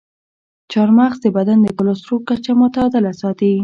چارمغز د بدن د کلسترول کچه متعادله ساتي.